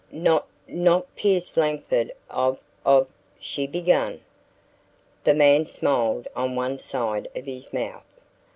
"Not not Pierce Langford of of ?" she began. The man smiled on one side of his mouth.